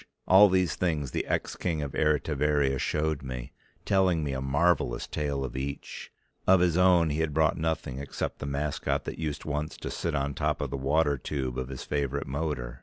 All these things the ex King of Eritivaria showed me, telling me a marvelous tale of each; of his own he had brought nothing, except the mascot that used once to sit on the top of the water tube of his favorite motor.